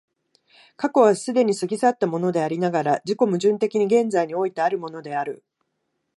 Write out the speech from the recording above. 過去は既に過ぎ去ったものでありながら、自己矛盾的に現在においてあるものである。